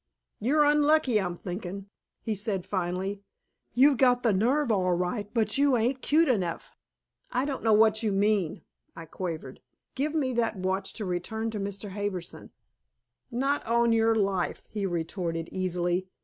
"You're unlucky, I'm thinkin'," he said finally. "You've got the nerve all right, but you ain't cute enough." "I don't know what you mean," I quavered. "Give me that watch to return to Mr. Harbison." "Not on your life," he retorted easily.